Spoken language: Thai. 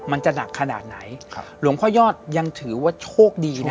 จริงหรือออกมาแม่ยนต์นี่ส่วนผู้ขี้หลวงข้อยอดยังถือว่าโชคดีนะ